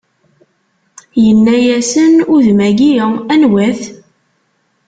Inna-asen: Udem-agi? anwa-t?